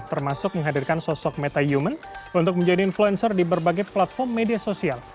termasuk menghadirkan sosok meta human untuk menjadi influencer di berbagai platform media sosial